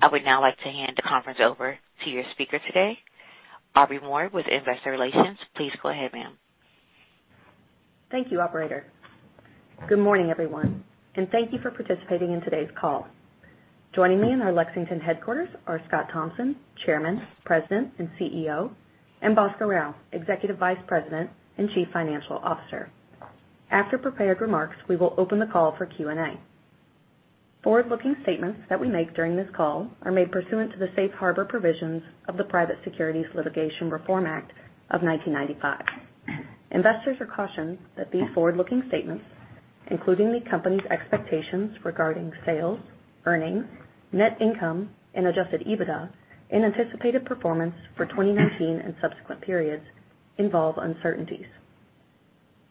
I would now like to hand the conference over to your speaker today, Aubrey Moore with Investor Relations. Please go ahead, ma'am. Thank you, operator. Good morning, everyone, and thank you for participating in today's call. Joining me in our Lexington headquarters are Scott Thompson, Chairman, President, and CEO, and Bhaskar Rao, Executive Vice President and Chief Financial Officer. After prepared remarks, we will open the call for Q&A. Forward-looking statements that we make during this call are made pursuant to the safe harbor provisions of the Private Securities Litigation Reform Act of 1995. Investors are cautioned that these forward-looking statements, including the company's expectations regarding sales, earnings, net income, and adjusted EBITDA and anticipated performance for 2019 and subsequent periods involve uncertainties.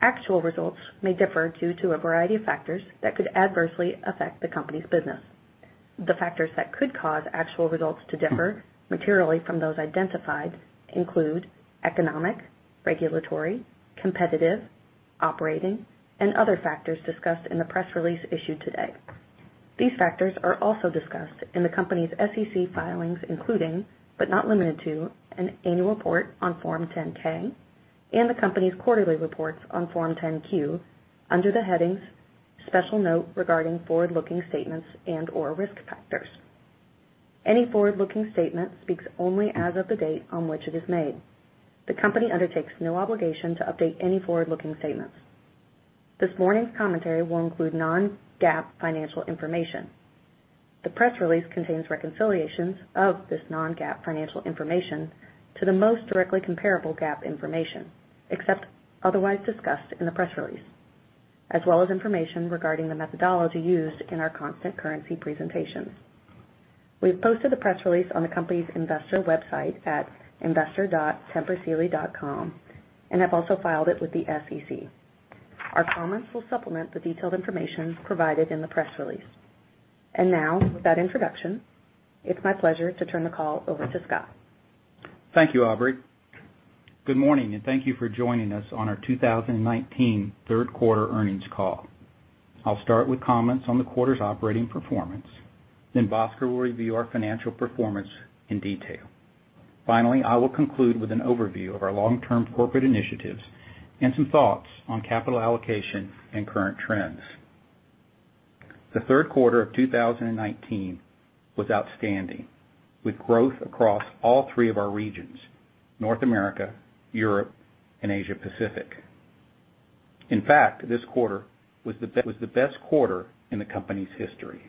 Actual results may differ due to a variety of factors that could adversely affect the company's business. The factors that could cause actual results to differ materially from those identified include economic, regulatory, competitive, operating, and other factors discussed in the press release issued today. These factors are also discussed in the company's SEC filings, including, but not limited to, an annual report on Form 10-K and the company's quarterly reports on Form 10-Q under the headings "Special Note Regarding Forward-Looking Statements" and/or "Risk Factors." Any forward-looking statement speaks only as of the date on which it is made. The company undertakes no obligation to update any forward-looking statements. This morning's commentary will include non-GAAP financial information. The press release contains reconciliations of this non-GAAP financial information to the most directly comparable GAAP information, except otherwise discussed in the press release, as well as information regarding the methodology used in our constant currency presentations. We've posted the press release on the company's investor website at investor.tempursealy.com and have also filed it with the SEC. Our comments will supplement the detailed information provided in the press release. Now, with that introduction, it's my pleasure to turn the call over to Scott. Thank you, Aubrey. Good morning, and thank you for joining us on our 2019 third quarter earnings call. I'll start with comments on the quarter's operating performance. Bhaskar Rao will review our financial performance in detail. I will conclude with an overview of our long-term corporate initiatives and some thoughts on capital allocation and current trends. The third quarter of 2019 was outstanding, with growth across all three of our regions: North America, Europe, and Asia Pacific. This quarter was the best quarter in the company's history.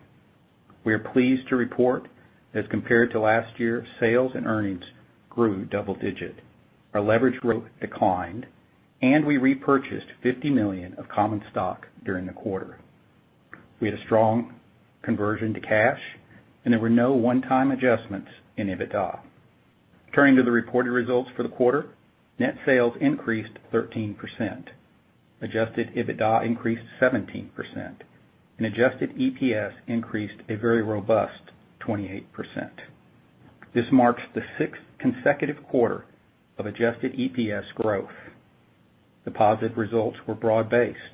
We are pleased to report that as compared to last year, sales and earnings grew double-digit. Our leverage growth declined. We repurchased $50 million of common stock during the quarter. We had a strong conversion to cash. There were no one-time adjustments in EBITDA. Turning to the reported results for the quarter, net sales increased 13%. Adjusted EBITDA increased 17%. Adjusted EPS increased a very robust 28%. This marks the sixth consecutive quarter of adjusted EPS growth. The positive results were broad-based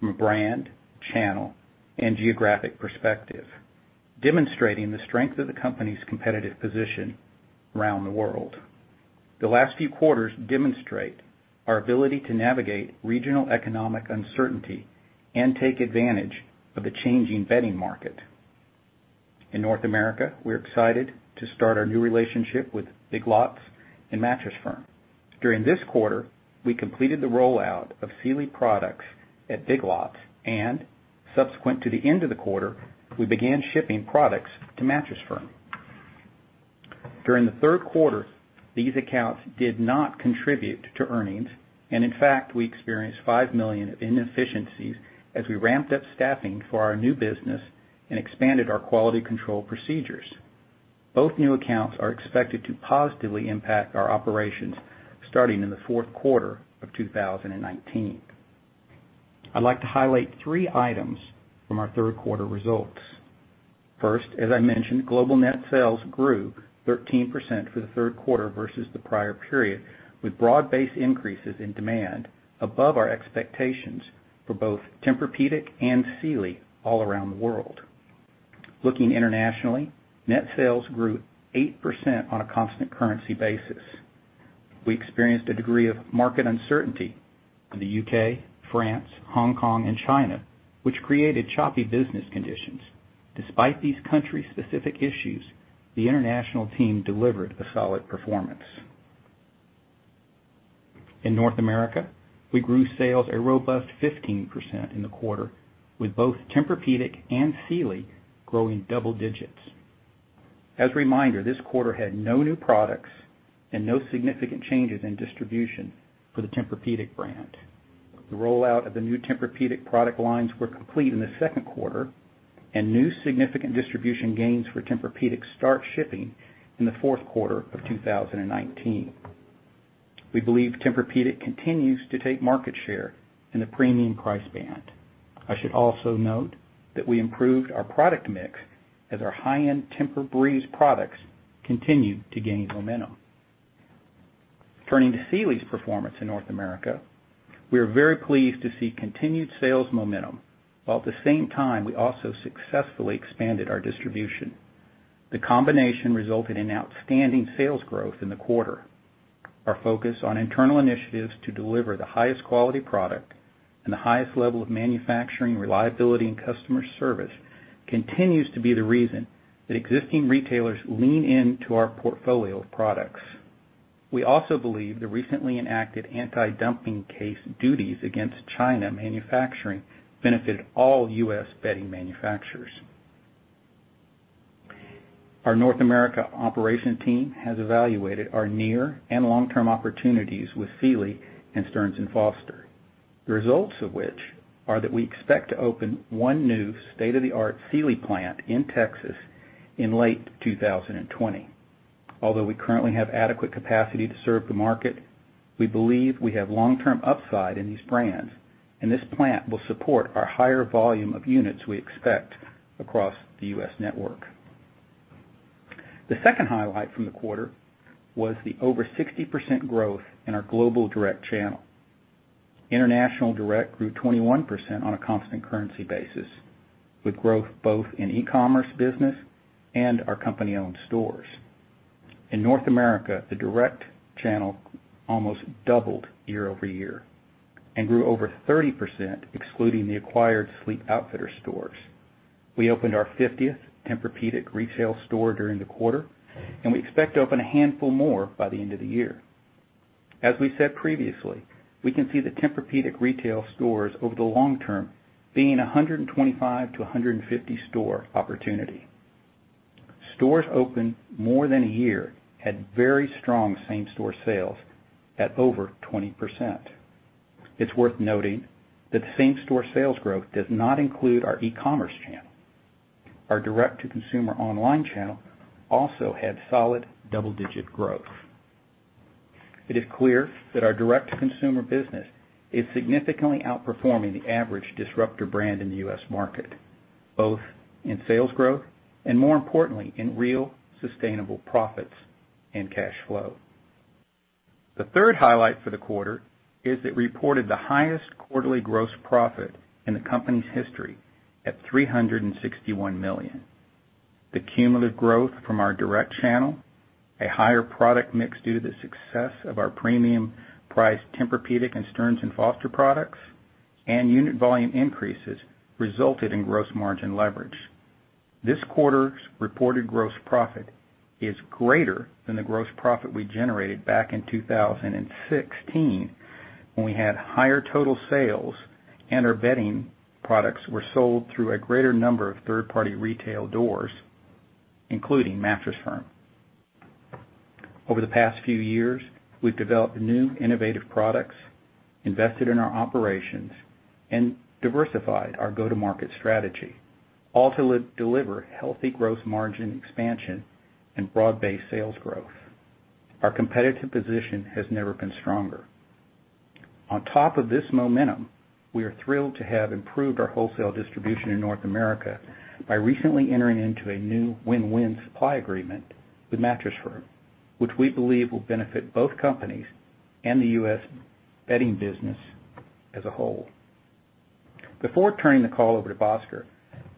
from a brand, channel, and geographic perspective, demonstrating the strength of the company's competitive position around the world. The last few quarters demonstrate our ability to navigate regional economic uncertainty and take advantage of the changing bedding market. In North America, we're excited to start our new relationship with Big Lots and Mattress Firm. During this quarter, we completed the rollout of Sealy products at Big Lots, and subsequent to the end of the quarter, we began shipping products to Mattress Firm. During the third quarter, these accounts did not contribute to earnings, and in fact, we experienced $5 million of inefficiencies as we ramped up staffing for our new business and expanded our quality control procedures. Both new accounts are expected to positively impact our operations starting in the fourth quarter of 2019. I'd like to highlight three items from our third quarter results. First, as I mentioned, global net sales grew 13% for the third quarter versus the prior period, with broad-based increases in demand above our expectations for both Tempur-Pedic and Sealy all around the world. Looking internationally, net sales grew 8% on a constant currency basis. We experienced a degree of market uncertainty in the U.K., France, Hong Kong, and China, which created choppy business conditions. Despite these country-specific issues, the international team delivered a solid performance. In North America, we grew sales a robust 15% in the quarter, with both Tempur-Pedic and Sealy growing double digits. As a reminder, this quarter had no new products and no significant changes in distribution for the Tempur-Pedic brand. The rollout of the new Tempur-Pedic product lines were complete in the second quarter, and new significant distribution gains for Tempur-Pedic start shipping in the fourth quarter of 2019. We believe Tempur-Pedic continues to take market share in the premium price band. I should also note that we improved our product mix as our high-end Tempur-Breeze products continued to gain momentum. Turning to Sealy's performance in North America, we are very pleased to see continued sales momentum, while at the same time, we also successfully expanded our distribution. The combination resulted in outstanding sales growth in the quarter. Our focus on internal initiatives to deliver the highest quality product and the highest level of manufacturing reliability and customer service continues to be the reason that existing retailers lean into our portfolio of products. We also believe the recently enacted anti-dumping case duties against China manufacturing benefited all U.S. bedding manufacturers. Our North America operation team has evaluated our near and long-term opportunities with Sealy and Stearns & Foster, the results of which are that we expect to open one new state-of-the-art Sealy plant in Texas in late 2020. Although we currently have adequate capacity to serve the market, we believe we have long-term upside in these brands, and this plant will support our higher volume of units we expect across the U.S. network. The second highlight from the quarter was the over 60% growth in our global direct channel. International Direct grew 21% on a constant currency basis, with growth both in e-commerce business and our company-owned stores. In North America, the direct channel almost doubled year over year and grew over 30% excluding the acquired Sleep Outfitters stores. We opened our 50th Tempur-Pedic retail store during the quarter, and we expect to open a handful more by the end of the year. As we said previously, we can see the Tempur-Pedic retail stores over the long term being a 125-150 store opportunity. Stores open more than a year had very strong same-store sales at over 20%. It's worth noting that the same-store sales growth does not include our e-commerce channel. Our direct-to-consumer online channel also had solid double-digit growth. It is clear that our direct-to-consumer business is significantly outperforming the average disruptor brand in the U.S. market, both in sales growth and, more importantly, in real, sustainable profits and cash flow. The third highlight for the quarter is it reported the highest quarterly gross profit in the company's history at $361 million. The cumulative growth from our direct channel, a higher product mix due to the success of our premium-priced Tempur-Pedic and Stearns & Foster products, and unit volume increases resulted in gross margin leverage. This quarter's reported gross profit is greater than the gross profit we generated back in 2016 when we had higher total sales and our bedding products were sold through a greater number of third-party retail doors, including Mattress Firm. Over the past few years, we've developed new innovative products, invested in our operations, and diversified our go-to-market strategy, all to deliver healthy growth margin expansion and broad-based sales growth. Our competitive position has never been stronger. On top of this momentum, we are thrilled to have improved our wholesale distribution in North America by recently entering into a new win-win supply agreement with Mattress Firm, which we believe will benefit both companies and the U.S. bedding business as a whole. Before turning the call over to Bhaskar,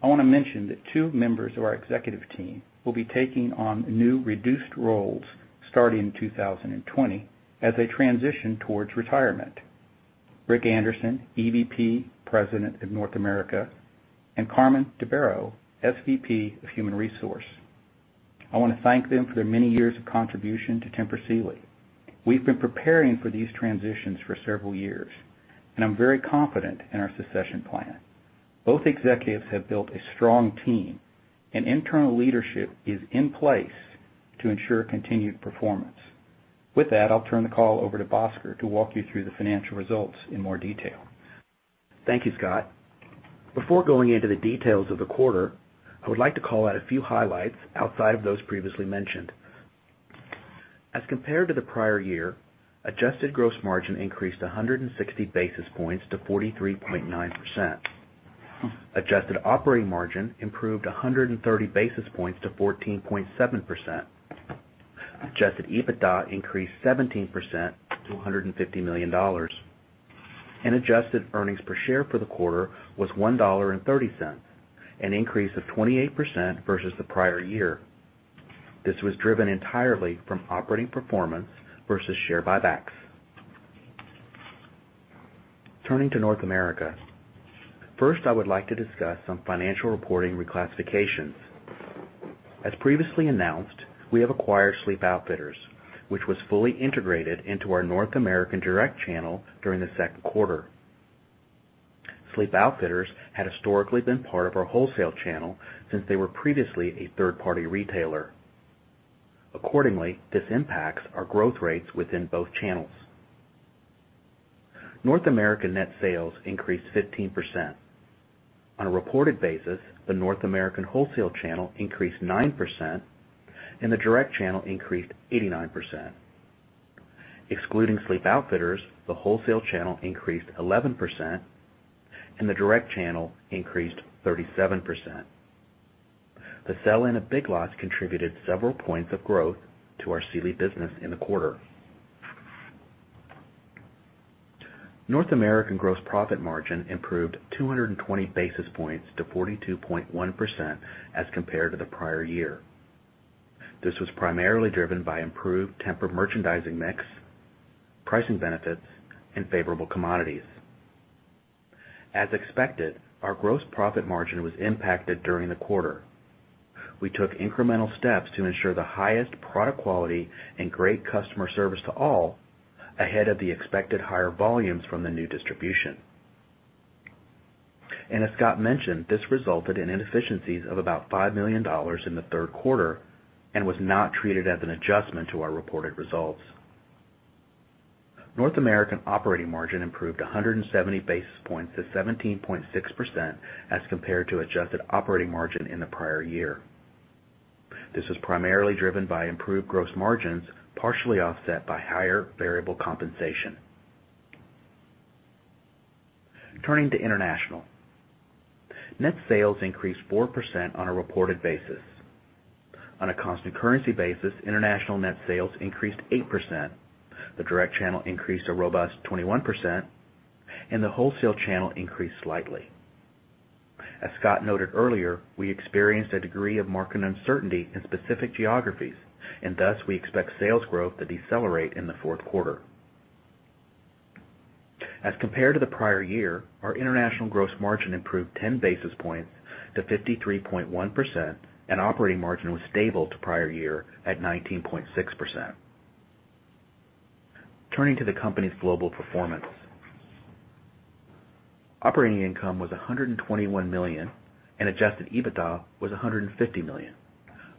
I want to mention that two members of our executive team will be taking on new reduced roles starting in 2020 as they transition towards retirement. Rick Anderson, EVP, President of North America, and [Tommye DeBord], SVP of Human Resource. I want to thank them for their many years of contribution to Tempur Sealy. We've been preparing for these transitions for several years, and I'm very confident in our succession plan. Both executives have built a strong team and internal leadership is in place to ensure continued performance. With that, I'll turn the call over to Bhaskar to walk you through the financial results in more detail. Thank you, Scott. Before going into the details of the quarter, I would like to call out a few highlights outside of those previously mentioned. As compared to the prior year, adjusted gross margin increased 160 basis points to 43.9%. Adjusted operating margin improved 130 basis points to 14.7%. Adjusted EBITDA increased 17% to $150 million. Adjusted earnings per share for the quarter was $1.30, an increase of 28% versus the prior year. This was driven entirely from operating performance versus share buybacks. Turning to North America. First, I would like to discuss some financial reporting reclassifications. As previously announced, we have acquired Sleep Outfitters, which was fully integrated into our North American direct channel during the second quarter. Sleep Outfitters had historically been part of our wholesale channel since they were previously a third-party retailer. Accordingly, this impacts our growth rates within both channels. North American net sales increased 15%. On a reported basis, the North American wholesale channel increased 9% and the direct channel increased 89%. Excluding Sleep Outfitters, the wholesale channel increased 11% and the direct channel increased 37%. The sell-in of Big Lots contributed several points of growth to our Sealy business in the quarter. North American gross profit margin improved 220 basis points to 42.1% as compared to the prior year. This was primarily driven by improved Tempur merchandising mix, pricing benefits, and favorable commodities. As expected, our gross profit margin was impacted during the quarter. We took incremental steps to ensure the highest product quality and great customer service to all ahead of the expected higher volumes from the new distribution. As Scott mentioned, this resulted in inefficiencies of about $5 million in the third quarter and was not treated as an adjustment to our reported results. North American operating margin improved 170 basis points to 17.6% as compared to adjusted operating margin in the prior year. This was primarily driven by improved gross margins, partially offset by higher variable compensation. Turning to international. Net sales increased 4% on a reported basis. On a constant currency basis, international net sales increased 8%. The direct channel increased a robust 21% and the wholesale channel increased slightly. As Scott noted earlier, we experienced a degree of market uncertainty in specific geographies. Thus, we expect sales growth to decelerate in the fourth quarter. As compared to the prior year, our international gross margin improved 10 basis points to 53.1%. Operating margin was stable to prior year at 19.6%. Turning to the company's global performance. Operating income was $121 million. Adjusted EBITDA was $150 million,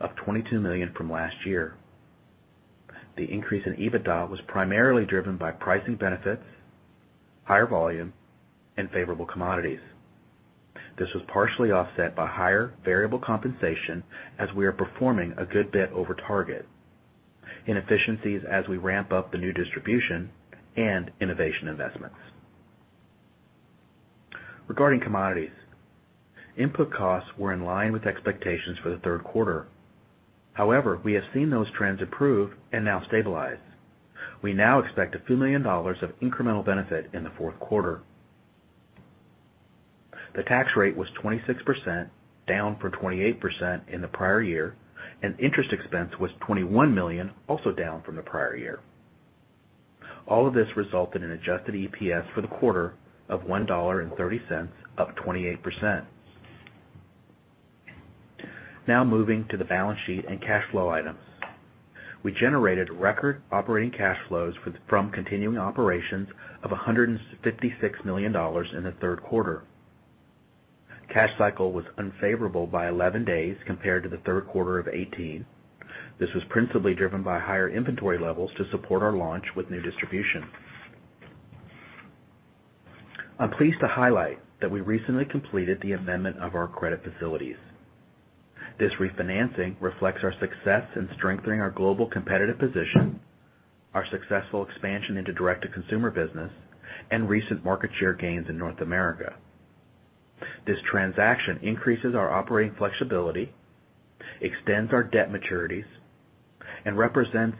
up $22 million from last year. The increase in EBITDA was primarily driven by pricing benefits, higher volume, and favorable commodities. This was partially offset by higher variable compensation as we are performing a good bit over target, inefficiencies as we ramp up the new distribution, and innovation investments. Regarding commodities. Input costs were in line with expectations for the third quarter. However, we have seen those trends improve and now stabilize. We now expect a few million dollars of incremental benefit in the fourth quarter. The tax rate was 26%, down from 28% in the prior year, and interest expense was $21 million, also down from the prior year. All of this resulted in adjusted EPS for the quarter of $1.30, up 28%. Now moving to the balance sheet and cash flow items. We generated record operating cash flows from continuing operations of $156 million in the third quarter. Cash cycle was unfavorable by 11 days compared to the third quarter of 2018. This was principally driven by higher inventory levels to support our launch with new distribution. I'm pleased to highlight that we recently completed the amendment of our credit facilities. This refinancing reflects our success in strengthening our global competitive position, our successful expansion into direct-to-consumer business, and recent market share gains in North America. This transaction increases our operating flexibility, extends our debt maturities, and represents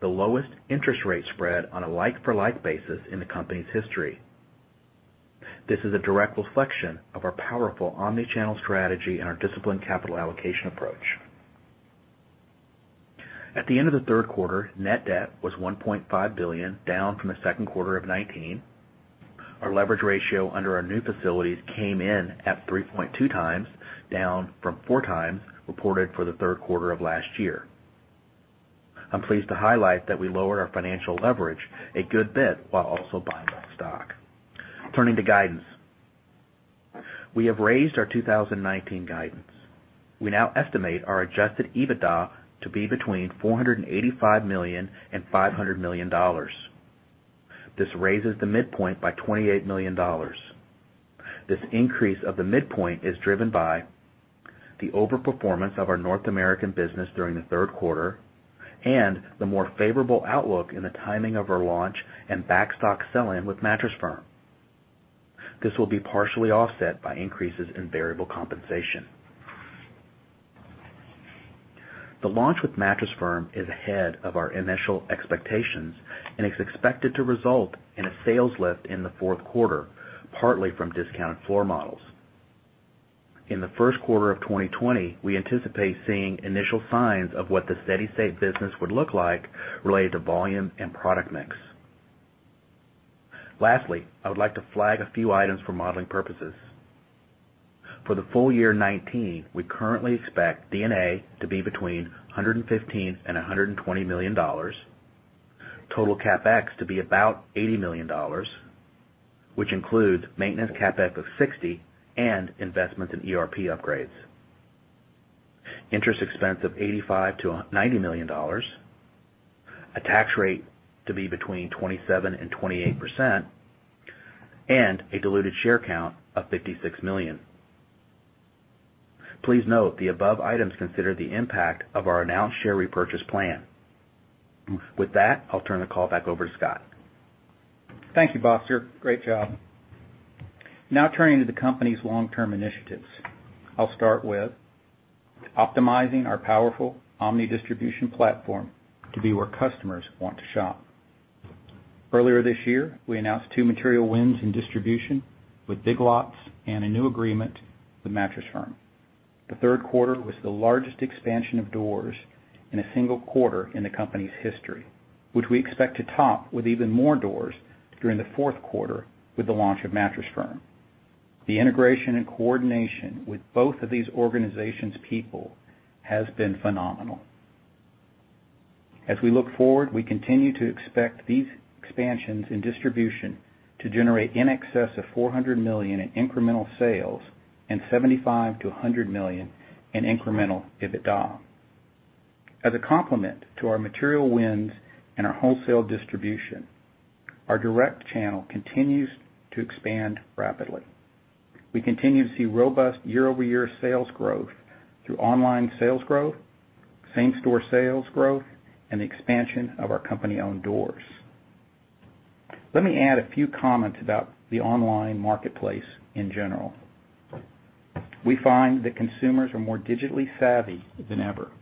the lowest interest rate spread on a like-for-like basis in the company's history. This is a direct reflection of our powerful omni-channel strategy and our disciplined capital allocation approach. At the end of the third quarter, net debt was $1.5 billion, down from the second quarter of 2019. Our leverage ratio under our new facilities came in at 3.2x, down from 4x reported for the third quarter of last year. I'm pleased to highlight that we lowered our financial leverage a good bit while also buying back stock. Turning to guidance. We have raised our 2019 guidance. We now estimate our adjusted EBITDA to be between $485 million and $500 million. This raises the midpoint by $28 million. This increase of the midpoint is driven by the overperformance of our North American business during the third quarter and the more favorable outlook in the timing of our launch and backstock sell-in with Mattress Firm. This will be partially offset by increases in variable compensation. The launch with Mattress Firm is ahead of our initial expectations and is expected to result in a sales lift in the fourth quarter, partly from discounted floor models. In the first quarter of 2020, we anticipate seeing initial signs of what the steady state business would look like related to volume and product mix. Lastly, I would like to flag a few items for modeling purposes. For the full year 2019, we currently expect D&A to be between $115 million and $120 million, total CapEx to be about $80 million, which includes maintenance CapEx of $60 million and investments in ERP upgrades, interest expense of $85 million to $90 million, a tax rate to be between 27% and 28%, and a diluted share count of 56 million. Please note the above items consider the impact of our announced share repurchase plan. With that, I'll turn the call back over to Scott. Thank you, Bhaskar. Great job. Now turning to the company's long-term initiatives. I'll start with optimizing our powerful omni-distribution platform to be where customers want to shop. Earlier this year, we announced two material wins in distribution with Big Lots and a new agreement with Mattress Firm. The third quarter was the largest expansion of doors in a single quarter in the company's history, which we expect to top with even more doors during the fourth quarter with the launch of Mattress Firm. The integration and coordination with both of these organizations' people has been phenomenal. As we look forward, we continue to expect these expansions in distribution to generate in excess of $400 million in incremental sales and $75 million-$100 million in incremental EBITDA. As a complement to our material wins and our wholesale distribution, our direct channel continues to expand rapidly. We continue to see robust year-over-year sales growth through online sales growth, same-store sales growth, and the expansion of our company-owned doors. Let me add a few comments about the online marketplace in general. We find that consumers are more digitally savvy than ever.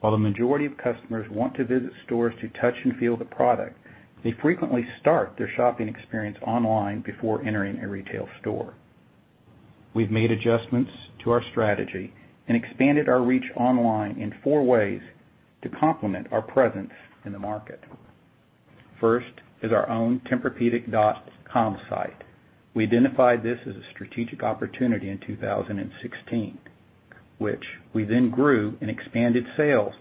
While the majority of customers want to visit stores to touch and feel the product, they frequently start their shopping experience online before entering a retail store. We've made adjustments to our strategy and expanded our reach online in four ways to complement our presence in the market. First is our own tempurpedic.com site. We identified this as a strategic opportunity in 2016, which we then grew and expanded sales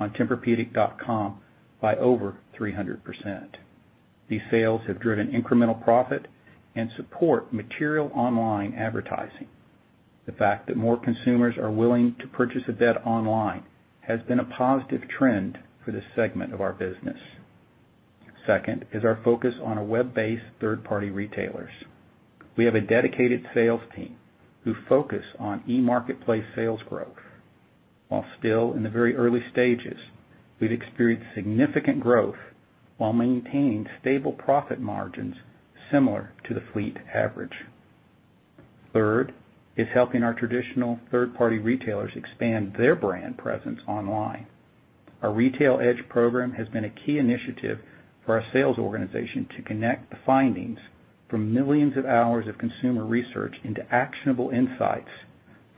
on tempurpedic.com by over 300%. These sales have driven incremental profit and support material online advertising. The fact that more consumers are willing to purchase a bed online has been a positive trend for this segment of our business. Second is our focus on web-based third-party retailers. We have a dedicated sales team who focus on e-marketplace sales growth. While still in the very early stages, we've experienced significant growth while maintaining stable profit margins similar to the fleet average. Third is helping our traditional third-party retailers expand their brand presence online. Our Retail Edge program has been a key initiative for our sales organization to connect the findings from millions of hours of consumer research into actionable insights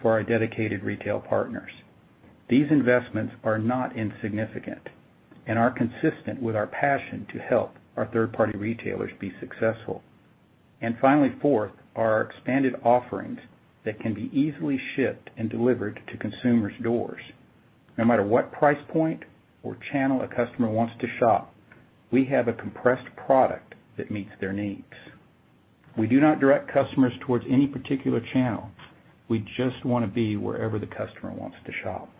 for our dedicated retail partners. These investments are not insignificant and are consistent with our passion to help our third-party retailers be successful. Finally, fourth, are our expanded offerings that can be easily shipped and delivered to consumers' doors. No matter what price point or channel a customer wants to shop, we have a compressed product that meets their needs. We do not direct customers towards any particular channel. We just wanna be wherever the customer wants to shop.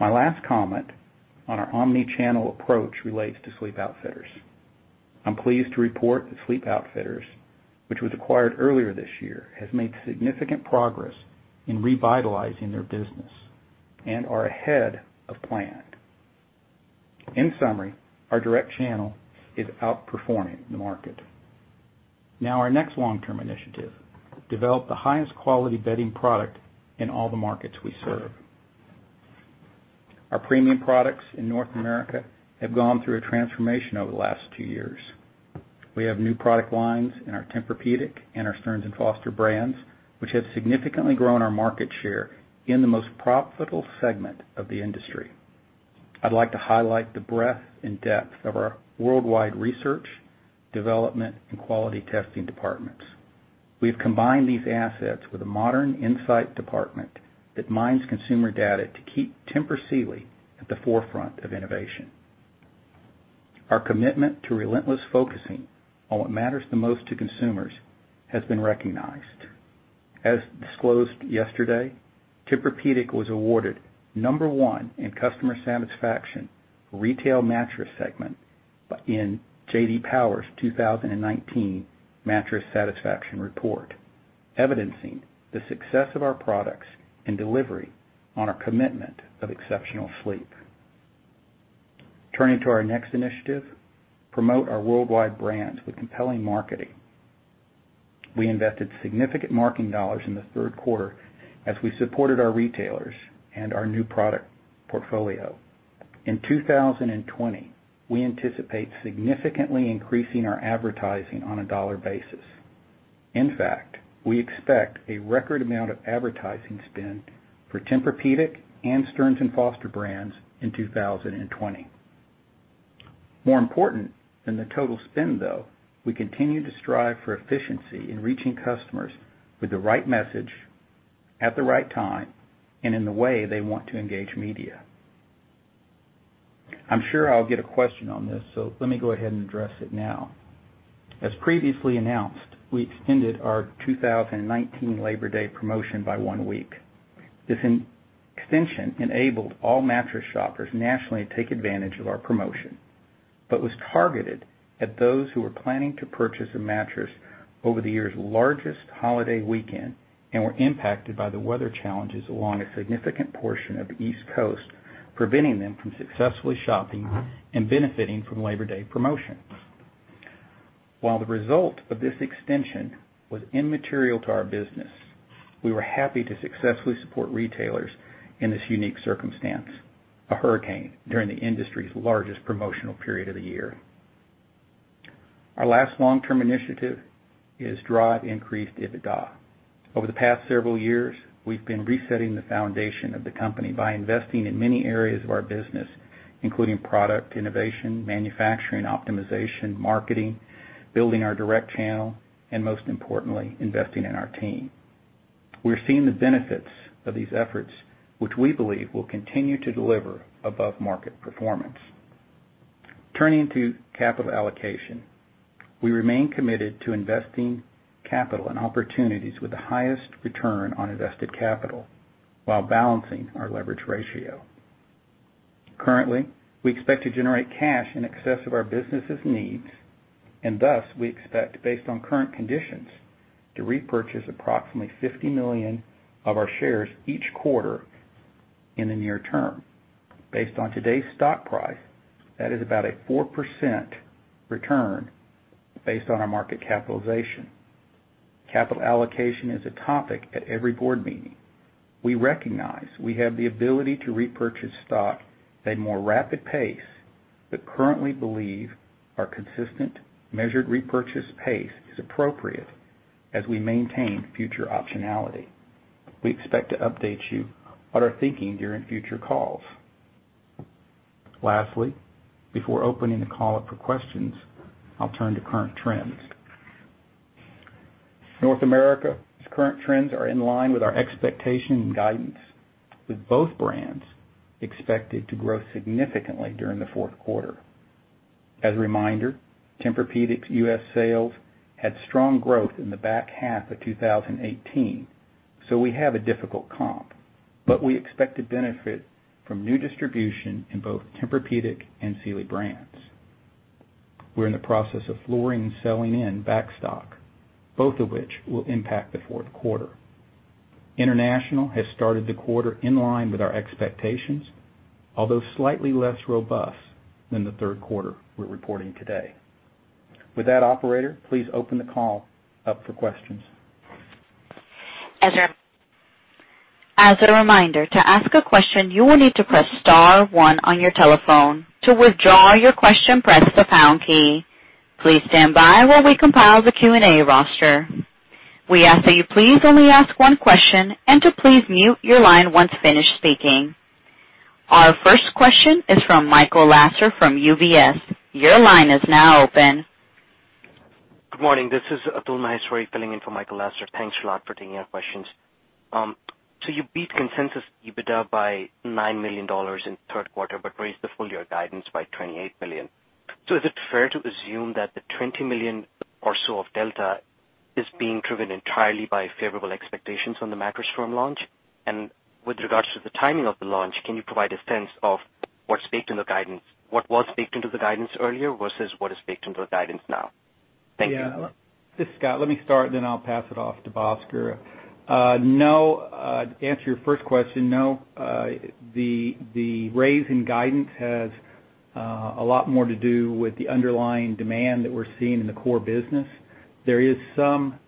My last comment on our omni-channel approach relates to Sleep Outfitters. I'm pleased to report that Sleep Outfitters, which was acquired earlier this year, has made significant progress in revitalizing their business and are ahead of plan. In summary, our direct channel is outperforming the market. Our next long-term initiative, develop the highest quality bedding product in all the markets we serve. Our premium products in North America have gone through a transformation over the last two years. We have new product lines in our Tempur-Pedic and our Stearns & Foster brands, which have significantly grown our market share in the most profitable segment of the industry. I'd like to highlight the breadth and depth of our worldwide research, development, and quality testing departments. We've combined these assets with a modern insight department that mines consumer data to keep Tempur Sealy at the forefront of innovation. Our commitment to relentless focusing on what matters the most to consumers has been recognized. As disclosed yesterday, Tempur-Pedic was awarded number one in customer satisfaction retail mattress segment in J.D. Power's 2019 Mattress Satisfaction Report, evidencing the success of our products and delivery on our commitment of exceptional sleep. Turning to our next initiative, promote our worldwide brands with compelling marketing. We invested significant marketing dollars in the third quarter as we supported our retailers and our new product portfolio. In 2020, we anticipate significantly increasing our advertising on a dollar basis. We expect a record amount of advertising spend for Tempur-Pedic and Stearns & Foster brands in 2020. More important than the total spend, though, we continue to strive for efficiency in reaching customers with the right message, at the right time, and in the way they want to engage media. I'm sure I'll get a question on this, let me go ahead and address it now. As previously announced, we extended our 2019 Labor Day promotion by one week. This extension enabled all mattress shoppers nationally to take advantage of our promotion but was targeted at those who were planning to purchase a mattress over the year's largest holiday weekend and were impacted by the weather challenges along a significant portion of the East Coast, preventing them from successfully shopping and benefiting from Labor Day promotions. While the result of this extension was immaterial to our business, we were happy to successfully support retailers in this unique circumstance, a hurricane during the industry's largest promotional period of the year. Our last long-term initiative is drive increased EBITDA. Over the past several years, we've been resetting the foundation of the company by investing in many areas of our business, including product innovation, manufacturing optimization, marketing, building our direct channel, and most importantly, investing in our team. We're seeing the benefits of these efforts, which we believe will continue to deliver above-market performance. Turning to capital allocation. We remain committed to investing capital and opportunities with the highest return on invested capital while balancing our leverage ratio. Currently, we expect to generate cash in excess of our business' needs, and thus, we expect, based on current conditions, to repurchase approximately $50 million of our shares each quarter in the near term. Based on today's stock price, that is about a 4% return based on our market capitalization. Capital allocation is a topic at every board meeting. We recognize we have the ability to repurchase stock at a more rapid pace, but currently believe our consistent measured repurchase pace is appropriate as we maintain future optionality. We expect to update you on our thinking during future calls. Lastly, before opening the call up for questions, I'll turn to current trends. North America's current trends are in line with our expectation and guidance, with both brands expected to grow significantly during the fourth quarter. As a reminder, Tempur-Pedic's U.S. sales had strong growth in the back half of 2018, so we have a difficult comp, but we expect to benefit from new distribution in both Tempur-Pedic and Sealy brands. We're in the process of flooring and selling in backstock, both of which will impact the fourth quarter. International has started the quarter in line with our expectations, although slightly less robust than the third quarter we're reporting today. With that, operator, please open the call up for questions. As a reminder, to ask a question, you will need to press star one on your telephone. To withdraw your question, press the pound key. Please stand by while we compile the Q&A roster. We ask that you please only ask one question and to please mute your line once finished speaking. Our first question is from Michael Lasser from UBS. Your line is now open. Good morning. This is Atul Maheshwari filling in for Michael Lasser. Thanks a lot for taking our questions. You beat consensus EBITDA by $9 million in third quarter but raised the full-year guidance by $28 million. Is it fair to assume that the $20 million or so of delta is being driven entirely by favorable expectations on the Mattress Firm launch? With regards to the timing of the launch, can you provide a sense of what was baked into the guidance earlier versus what is baked into the guidance now? Thank you. Yeah. This is Scott. Let me start, then I'll pass it off to Bhaskar. No, to answer your first question, no, the raise in guidance has a lot more to do with the underlying demand that we're seeing in the core business. There is some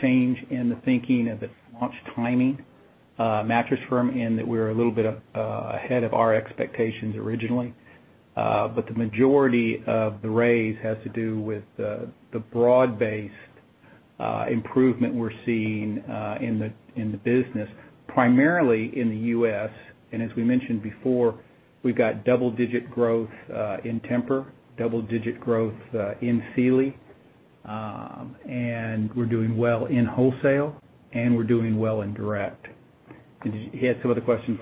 change in the thinking of the launch timing, Mattress Firm, in that we're a little bit ahead of our expectations originally. The majority of the raise has to do with the broad-based improvement we're seeing in the, in the business, primarily in the U.S. As we mentioned before, we've got double-digit growth in Tempur, double-digit growth in Sealy, and we're doing well in wholesale, and we're doing well in direct. Did you have some other questions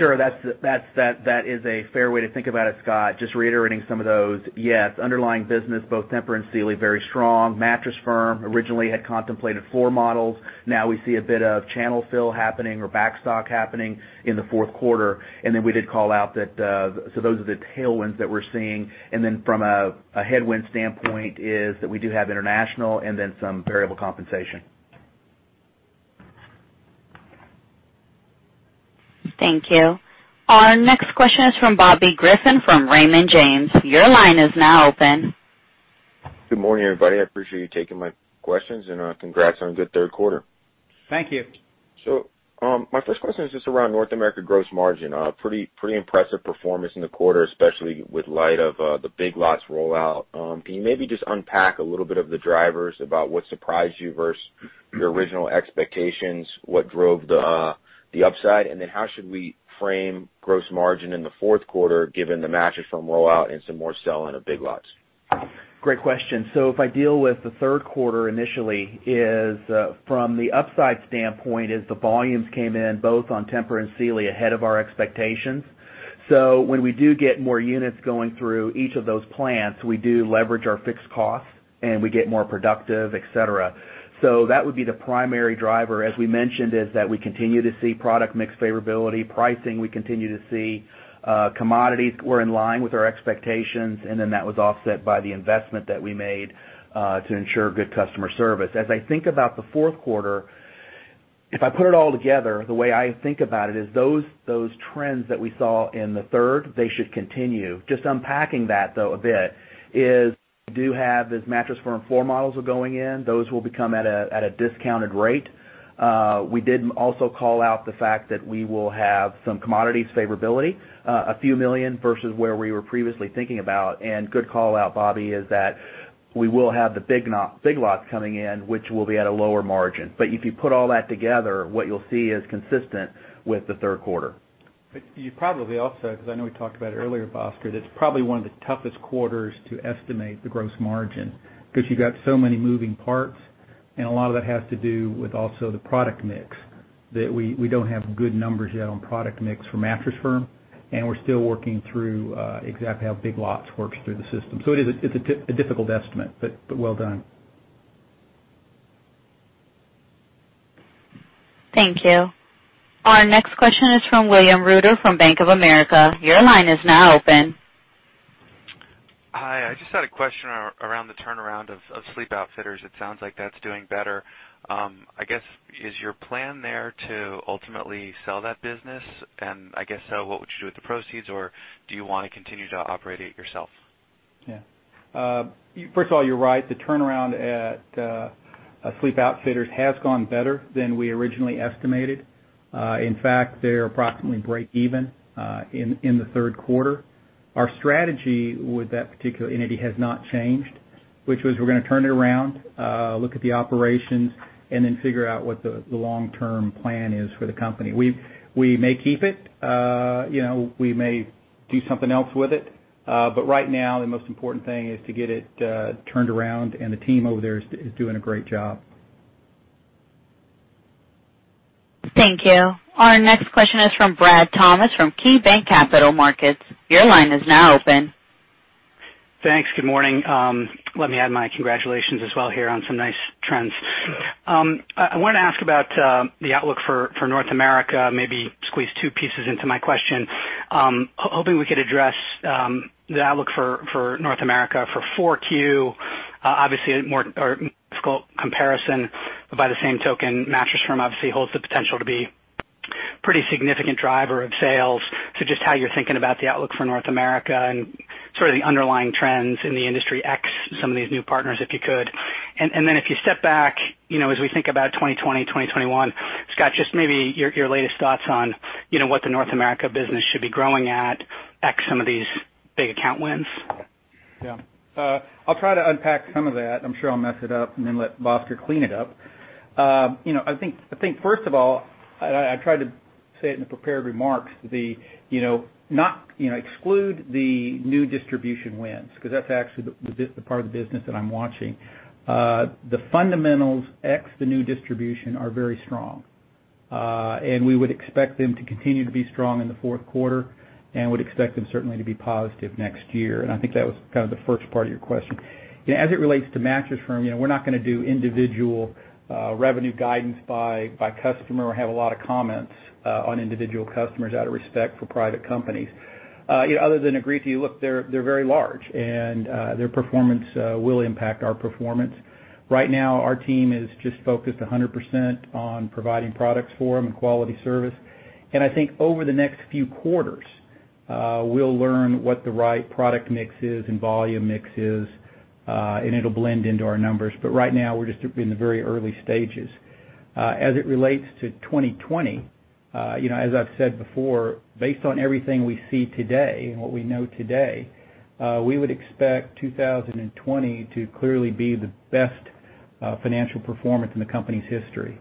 on guidance? Sure. That's a fair way to think about it, Scott. Just reiterating some of those. Yes, underlying business, both Tempur and Sealy, very strong. Mattress Firm originally had contemplated floor models. Now we see a bit of channel fill happening or backstock happening in the fourth quarter. We did call out that those are the tailwinds that we're seeing. From a headwind standpoint is that we do have international and some variable compensation. Thank you. Our next question is from Bobby Griffin from Raymond James. Your line is now open. Good morning, everybody. I appreciate you taking my questions, and congrats on a good third quarter. Thank you. My first question is just around North America gross margin. Pretty impressive performance in the quarter, especially with light of the Big Lots rollout. Can you maybe just unpack a little bit of the drivers about what surprised you versus your original expectations? What drove the upside? Then how should we frame gross margin in the fourth quarter given the Mattress Firm rollout and some more sell-in at Big Lots? Great question. If I deal with the third quarter initially is, from the upside standpoint is the volumes came in both on Tempur and Sealy ahead of our expectations. When we do get more units going through each of those plants, we do leverage our fixed costs, and we get more productive, etc. That would be the primary driver. As we mentioned, is that we continue to see product mix favorability. Pricing, we continue to see. Commodities were in line with our expectations, and then that was offset by the investment that we made to ensure good customer service. As I think about the fourth quarter, if I put it all together, the way I think about it is those trends that we saw in the third, they should continue. Just unpacking that, though, a bit is we do have those Mattress Firm floor models are going in. Those will become at a discounted rate. We did also call out the fact that we will have some commodities favorability, a few million versus where we were previously thinking about. Good call out, Bobby, is that we will have the Big Lots coming in, which will be at a lower margin. If you put all that together, what you'll see is consistent with the third quarter. You probably also, 'cause I know we talked about it earlier, Bhaskar, that it's probably one of the toughest quarters to estimate the gross margin 'cause you've got so many moving parts, and a lot of that has to do with also the product mix that we don't have good numbers yet on product mix for Mattress Firm, and we're still working through exactly how Big Lots works through the system. It is a difficult estimate, but well done. Thank you. Our next question is from William Reuter from Bank of America. Your line is now open. Hi, I just had a question around the turnaround of Sleep Outfitters. It sounds like that's doing better. I guess, is your plan there to ultimately sell that business? I guess so what would you do with the proceeds, or do you wanna continue to operate it yourself? First of all, you're right. The turnaround at Sleep Outfitters has gone better than we originally estimated. In fact, they're approximately break-even in the third quarter. Our strategy with that particular entity has not changed, which was we're gonna turn it around, look at the operations, and then figure out what the long-term plan is for the company. We may keep it. You know, we may do something else with it. Right now, the most important thing is to get it turned around, and the team over there is doing a great job. Thank you. Our next question is from Brad Thomas from KeyBanc Capital Markets. Your line is now open. Thanks. Good morning. Let me add my congratulations as well here on some nice trends. I wanna ask about the outlook for North America, maybe squeeze two pieces into my question. Hoping we could address the outlook for North America for 4Q. Obviously a more, or difficult comparison. By the same token, Mattress Firm obviously holds the potential to be pretty significant driver of sales. Just how you're thinking about the outlook for North America and sort of the underlying trends in the industry ex some of these new partners, if you could. Then if you step back, you know, as we think about 2020, 2021, Scott, just maybe your latest thoughts on, you know, what the North America business should be growing at ex some of these big account wins. Yeah. I'll try to unpack some of that, I'm sure I'll mess it up, and then let Bhaskar clean it up. You know, I think first of all, I tried to say it in the prepared remarks, the, you know, not, you know, exclude the new distribution wins, 'cause that's actually the part of the business that I'm watching. The fundamentals ex the new distribution are very strong. We would expect them to continue to be strong in the fourth quarter and would expect them certainly to be positive next year. I think that was kind of the first part of your question. You know, as it relates to Mattress Firm, you know, we're not gonna do individual revenue guidance by customer or have a lot of comments on individual customers out of respect for private companies. You know, other than agree with you, look, they're very large and their performance will impact our performance. Right now, our team is just focused 100% on providing products for them and quality service. I think over the next few quarters, we'll learn what the right product mix is and volume mix is, and it'll blend into our numbers. Right now, we're just in the very early stages. As it relates to 2020, you know, as I've said before, based on everything we see today and what we know today, we would expect 2020 to clearly be the best financial performance in the company's history.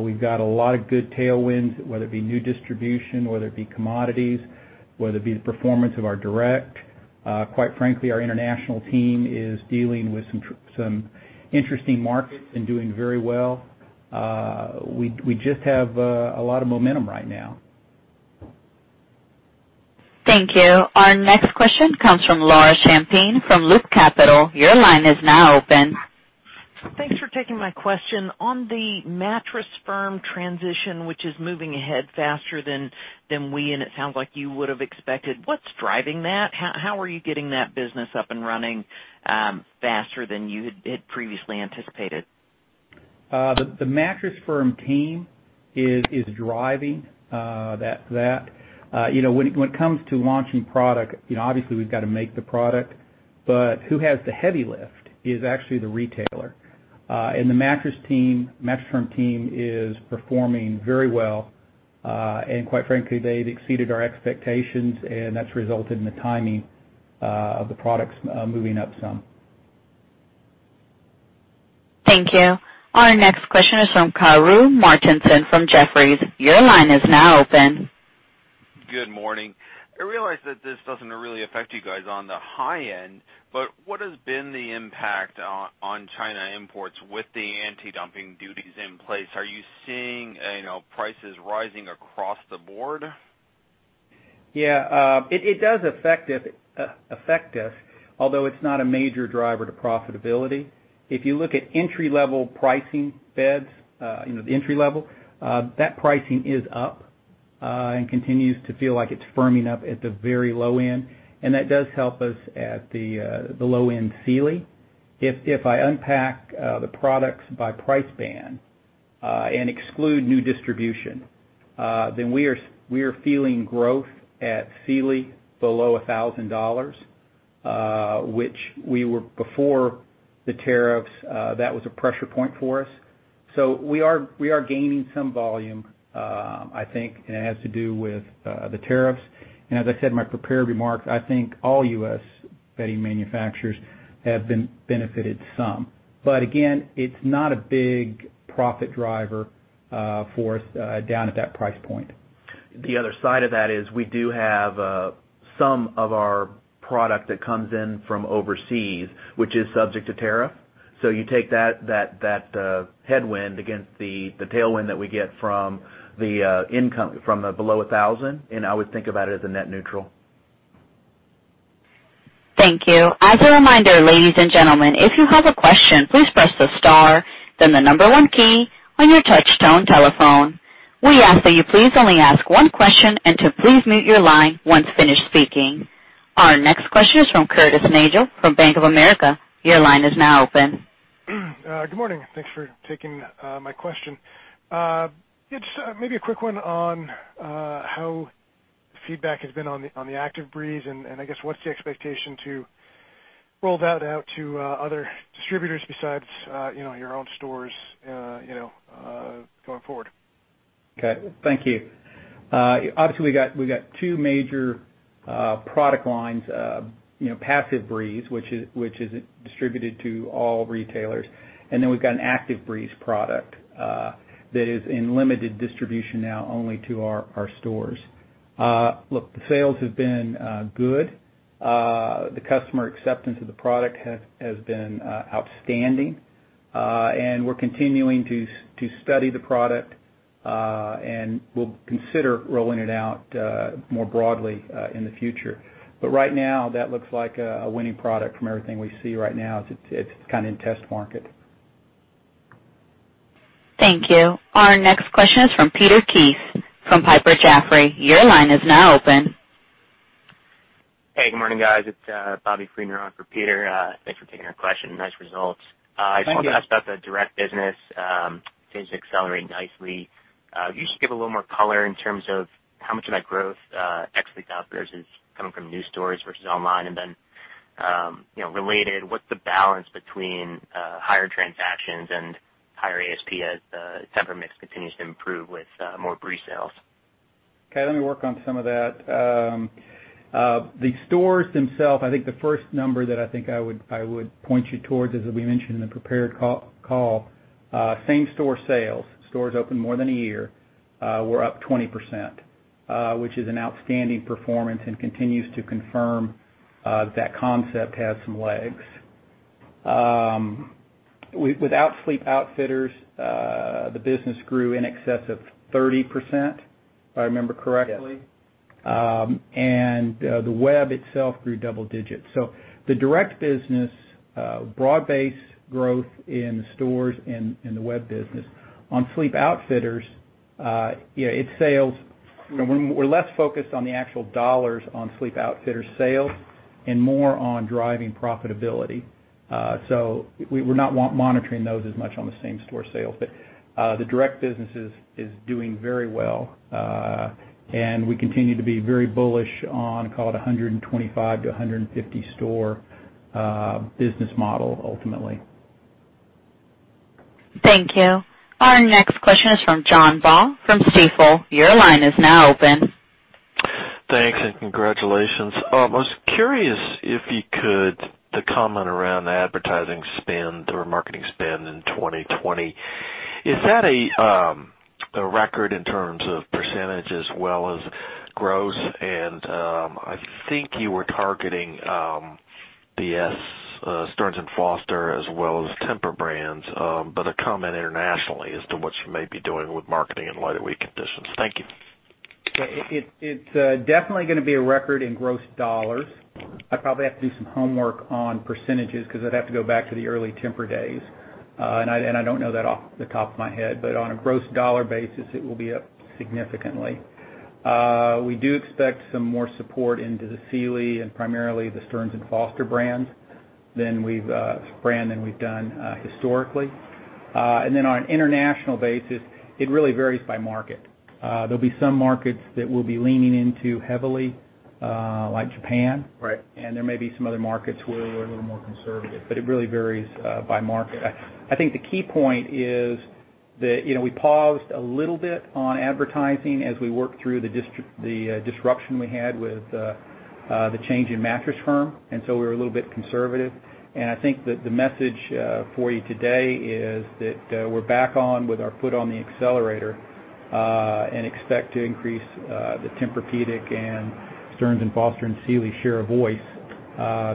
We've got a lot of good tailwinds, whether it be new distribution, whether it be commodities, whether it be the performance of our direct. Quite frankly, our international team is dealing with some interesting markets and doing very well. We just have a lot of momentum right now. Thank you. Our next question comes from Laura Champine from Loop Capital. Your line is now open. Thanks for taking my question. On the Mattress Firm transition, which is moving ahead faster than we, and it sounds like you would have expected, what's driving that? How are you getting that business up and running faster than you had previously anticipated? The Mattress Firm team is driving that. You know, when it comes to launching product, you know, obviously we've got to make the product, but who has the heavy lift is actually the retailer. The Mattress Firm team is performing very well. Quite frankly, they've exceeded our expectations, and that's resulted in the timing of the products moving up some. Thank you. Our next question is from Karru Martinson from Jefferies. Good morning. I realize that this doesn't really affect you guys on the high end, but what has been the impact on China imports with the antidumping duties in place? Are you seeing, you know, prices rising across the board? It does affect us, although it's not a major driver to profitability. If you look at entry-level pricing beds, you know, the entry level, that pricing is up and continues to feel like it's firming up at the very low end, and that does help us at the low end Sealy. If I unpack the products by price band, and exclude new distribution, we are feeling growth at Sealy below $1,000, which we were before the tariffs, that was a pressure point for us. We are gaining some volume, I think, it has to do with the tariffs. As I said in my prepared remarks, I think all U.S. bedding manufacturers have been benefited some. Again, it's not a big profit driver for us down at that price point. The other side of that is we do have some of our product that comes in from overseas, which is subject to tariff. You take that headwind against the tailwind that we get from the income from the below $1,000, I would think about it as a net neutral. Thank you. As a reminder, ladies and gentlemen, if you have a question, please press the star then the number one key on your touch tone telephone. We ask that you please only ask 1 question and to please mute your line once finished speaking. Our next question is from Curtis Nagle from Bank of America. Your line is now open. Good morning. Thanks for taking my question. Just maybe a quick one on how feedback has been on the Active Breeze and I guess what's the expectation to roll that out to other distributors besides, you know, your own stores, you know, going forward? Okay. Thank you. Obviously we got two major product lines, you know, Tempur-Breeze, which is distributed to all retailers, and then we've got a TEMPUR-ActiveBreeze product that is in limited distribution now only to our stores. Look, the sales have been good. The customer acceptance of the product has been outstanding. And we're continuing to study the product, and we'll consider rolling it out more broadly in the future. Right now that looks like a winning product from everything we see right now as it's kind of in test market. Thank you. Our next question is from Peter Keith from Piper Sandler. Your line is now open. Hey, good morning, guys. It's [Bobby Friedner] on for Peter Keith. Thanks for taking our question. Nice results. Thank you. I saw that the direct business seems to be accelerating nicely. Could you just give a little more color in terms of how much of that growth at Sleep Outfitters is coming from new stores versus online? You know, related, what's the balance between higher transactions and higher ASP as the Tempur mix continues to improve with more Breeze sales? Okay, let me work on some of that. The stores themselves, I think the first number that I think I would point you towards is that we mentioned in the prepared call, same store sales, stores open more than one year, were up 20%, which is an outstanding performance and continues to confirm that concept has some legs. Without Sleep Outfitters, the business grew in excess of 30%, if I remember correctly. Yes. The web itself grew double digits. The direct business, broad-based growth in the stores and in the web business. On Sleep Outfitters, its sales, you know, we're less focused on the actual dollars on Sleep Outfitters sales and more on driving profitability. We're not monitoring those as much on the same store sales. The direct business is doing very well, and we continue to be very bullish on call it a 125-150 store business model ultimately. Thank you. Our next question is from John Baugh from Stifel. Your line is now open. Thanks and congratulations. I was curious the comment around the advertising spend or marketing spend in 2020. Is that a record in terms of percentage as well as growth? I think you were targeting the Stearns & Foster as well as Tempur brands, but a comment internationally as to what you may be doing with marketing in lighter weight conditions. Thank you. It's definitely gonna be a record in gross dollars. I'd probably have to do some homework on percentages because I'd have to go back to the early Tempur days, and I don't know that off the top of my head. On a gross dollar basis, it will be up significantly. We do expect some more support into the Sealy and primarily the Stearns & Foster brands than we've done historically. On an international basis, it really varies by market. There'll be some markets that we'll be leaning into heavily, like Japan. Right. There may be some other markets where we're a little more conservative, but it really varies by market. I think the key point is that, you know, we paused a little bit on advertising as we worked through the disruption we had with the change in Mattress Firm. So we were a little bit conservative. I think that the message for you today is that we're back on with our foot on the accelerator and expect to increase the Tempur-Pedic and Stearns & Foster and Sealy share of voice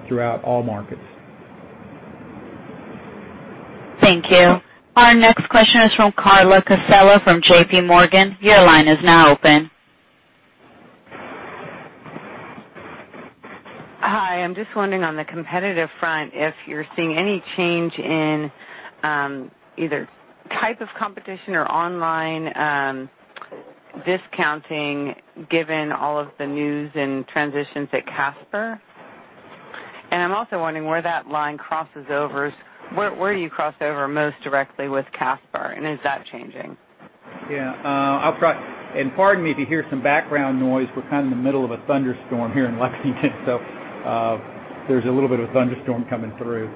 throughout all markets. Thank you. Our next question is from Carla Casella from JPMorgan. Your line is now open. Hi. I'm just wondering on the competitive front, if you're seeing any change in either type of competition or online discounting given all of the news and transitions at Casper. I'm also wondering where that line crosses over Where do you cross over most directly with Casper and is that changing? Yeah, I'll try. Pardon me if you hear some background noise. We're kind of in the middle of a thunderstorm here in Lexington. There's a little bit of a thunderstorm coming through.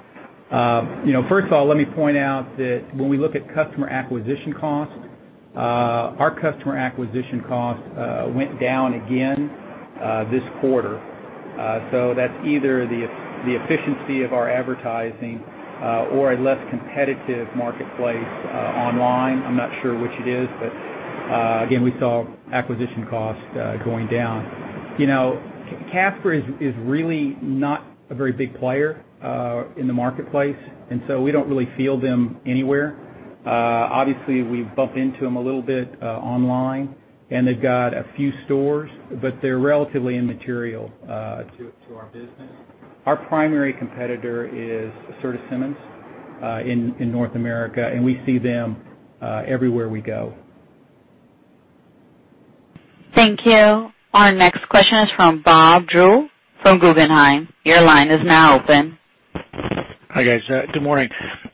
You know, first of all, let me point out that when we look at customer acquisition costs, our customer acquisition costs went down again this quarter. That's either the efficiency of our advertising or a less competitive marketplace online. I'm not sure which it is, but again, we saw acquisition costs going down. You know, Casper is really not a very big player in the marketplace. We don't really feel them anywhere. Obviously, we bump into them a little bit online, and they've got a few stores, but they're relatively immaterial to our business. Our primary competitor is Serta Simmons in North America. We see them everywhere we go. Thank you. Our next question is from Bob Drbul from Guggenheim. Your line is now open. Hi, guys. Good morning.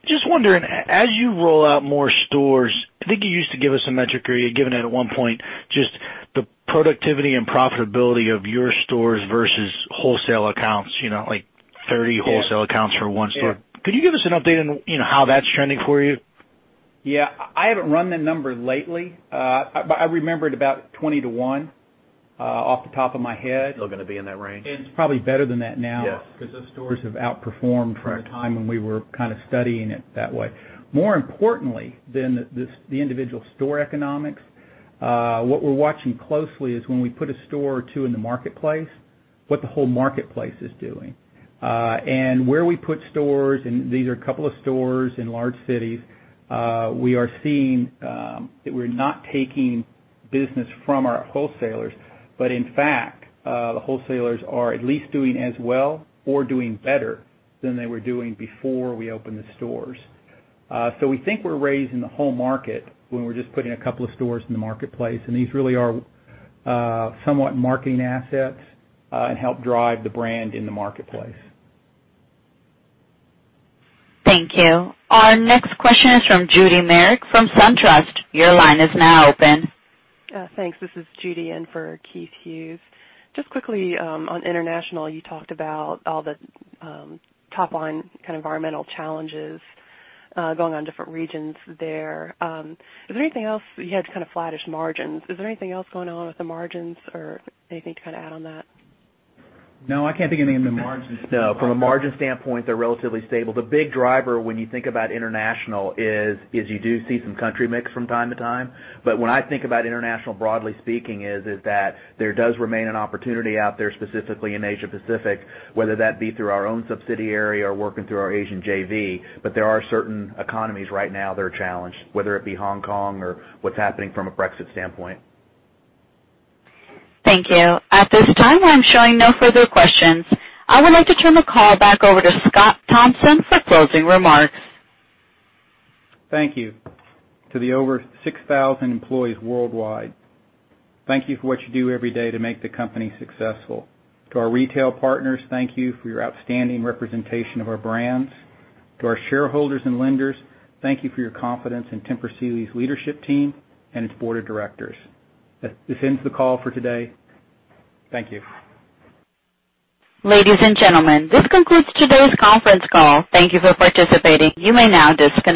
Just wondering, as you roll out more stores, I think you used to give us a metric or you had given it at one point, just the productivity and profitability of your stores versus wholesale accounts, you know, like 30 wholesale accounts for 1 store. Could you give us an update on, you know, how that's trending for you? Yeah. I haven't run the number lately, but I remember it about 20 to 1, off the top of my head. Still gonna be in that range. It's probably better than that now. Yes Because those stores have outperformed from the time when we were kinda studying it that way. More importantly than the individual store economics, what we're watching closely is when we put a store or two in the marketplace, what the whole marketplace is doing. Where we put stores, and these are a couple of stores in large cities, we are seeing that we're not taking business from our wholesalers, in fact, the wholesalers are at least doing as well or doing better than they were doing before we opened the stores. We think we're raising the whole market when we're just putting a couple of stores in the marketplace, These really are somewhat marketing assets, help drive the brand in the marketplace. Thank you. Our next question is from Judy Merrick from SunTrust. Your line is now open. Thanks. This is Judy in for Keith Hughes. Just quickly, on International, you talked about all the top-line kind of environmental challenges going on different regions there. Is there anything else? You had kind of flattish margins. Is there anything else going on with the margins or anything to kind of add on that? No, I can't think of anything. No, from a margin standpoint, they're relatively stable. The big driver when you think about international is you do see some country mix from time to time. When I think about international broadly speaking is that there does remain an opportunity out there, specifically in Asia-Pacific, whether that be through our own subsidiary or working through our Asian JV, but there are certain economies right now that are challenged, whether it be Hong Kong or what's happening from a Brexit standpoint. Thank you. At this time, I'm showing no further questions. I would like to turn the call back over to Scott Thompson for closing remarks. Thank you. To the over 6,000 employees worldwide, thank you for what you do every day to make the company successful. To our retail partners, thank you for your outstanding representation of our brands. To our shareholders and lenders, thank you for your confidence in Tempur Sealy's leadership team and its board of directors. This ends the call for today. Thank you. Ladies and gentlemen, this concludes today's conference call. Thank you for participating. You may now disconnect.